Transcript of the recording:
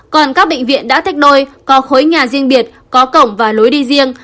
còn các bệnh viện đã tách đôi có khối nhà riêng biệt có cổng và lối đi riêng